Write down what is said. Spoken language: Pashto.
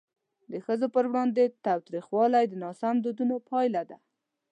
د ښځو پر وړاندې تاوتریخوالی د ناسم دودونو پایله ده.